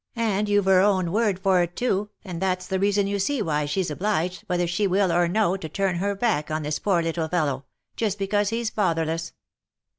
and you've her own word for it too, and that's the reason you see why she's obliged, whether she will or no, to turn her back on this poor little fellow, just because he's father less.